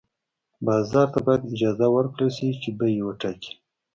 بازار ته باید اجازه ورکړل شي چې بیې وټاکي.